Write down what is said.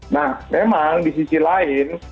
nah memang di sisi lain